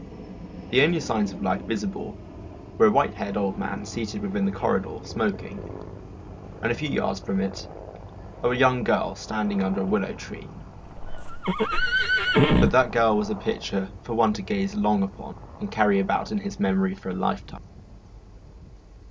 The only signs of life visible were a white haired old man seated within the corridor smoking, and a few yards from it a young girl standing under a willow tree. But that girl was a picture for one to gaze long upon and carry about in his memory for a lifetime.